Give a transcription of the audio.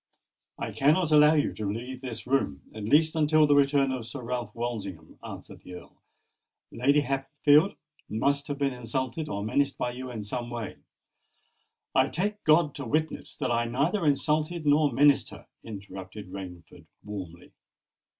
"I cannot allow you to leave this room—at least until the return of Sir Ralph Walsingham," answered the Earl. "Lady Hatfield must have been insulted or menaced by you in some way——" "I take God to witness that I neither insulted nor menaced her!" interrupted Rainford, warmly.